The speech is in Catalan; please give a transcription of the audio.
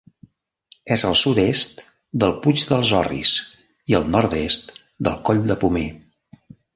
És al sud-est del Puig dels Orris i al nord-est del Coll del Pomer.